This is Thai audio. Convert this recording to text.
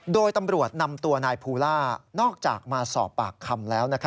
โดยตำรวจนำตัวนายภูล่านอกจากมาสอบปากคำแล้ว